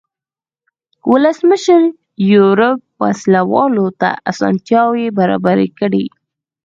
ولسمشر یوریب وسله والو ته اسانتیاوې برابرې کړې.